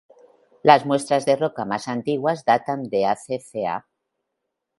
Las muestras de roca más antiguas datan de hace ca.